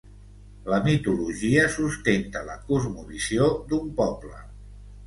La mitologia sustenta la cosmovisió d'un poble.